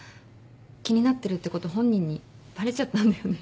気になってるってこと本人にバレちゃったんだよね。